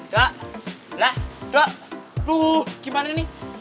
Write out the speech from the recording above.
dok lah dok duh gimana nih